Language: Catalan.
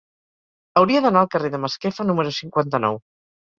Hauria d'anar al carrer de Masquefa número cinquanta-nou.